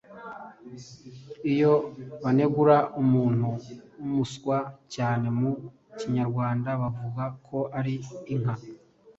Iyo banegura umuntu w’umuswa cyane mu Kinyarwanda bavuga ko ari inka.